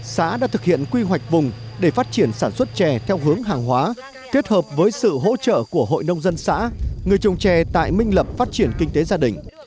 xã đã thực hiện quy hoạch vùng để phát triển sản xuất chè theo hướng hàng hóa kết hợp với sự hỗ trợ của hội nông dân xã người trồng trè tại minh lập phát triển kinh tế gia đình